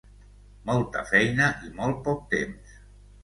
Molta feina i molt poc temps.